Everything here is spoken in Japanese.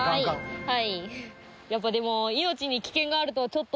はい。